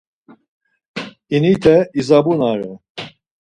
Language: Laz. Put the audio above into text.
İnite izabunare.